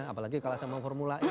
apalagi kalau sama formula i